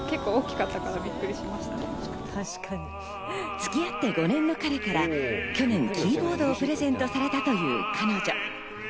つき合って５年の彼から去年、キーボードをプレゼントされたという彼女。